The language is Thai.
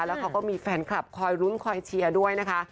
แล้วเขาก็มีแฟนคลับคอยลุ้นคอยเชียร์ด้วยนะคะ